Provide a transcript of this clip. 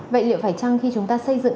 vậy liệu phải chăng khi chúng ta xây dựng